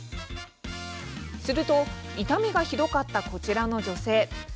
すると痛みがひどかった、こちらの女性